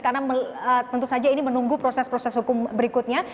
karena tentu saja ini menunggu proses proses hukum berikutnya